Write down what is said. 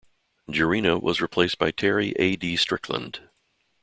Gerena was replaced by Terry A. D. Strickland.